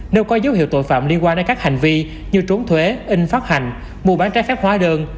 nếu có dấu hiệu tội phạm liên quan đến các hành vi như trốn thuế in phát hành mua bán trái phép hóa đơn